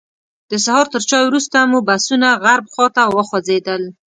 د سهار تر چایو وروسته مو بسونه غرب خواته وخوځېدل.